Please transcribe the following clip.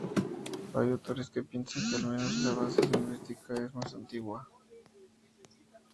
Hay autores que piensan que, al menos la base lingüística, es más antigua.